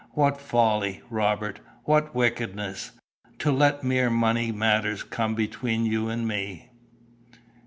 What folly, Robert, what wickedness, to let mere money matters come between you and me!"